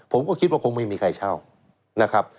ผมก็คิดว่าคงไม่มีใครเช่านะครับ